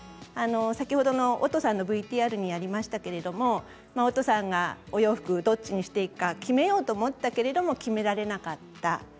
先ほどの、おとさんのＶＴＲにもありましたけれどもおとさんが、お洋服どっちにしていいのか決めようと思ったけれども決められなかった。